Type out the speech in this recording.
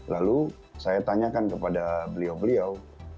lalu saya tanyakan kepada beliau beliau